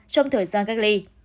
trong thời gian gác ly